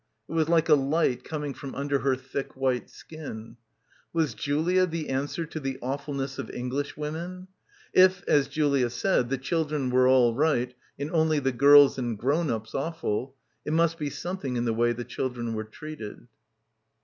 It was like a light coming from under her thick white skin. Was Julia the answer to the awfulness of English — 274 — BACKWATER women? If, as Julia said, the children were all right and only the girls and grown ups awful, it must be something in the way the children were treated.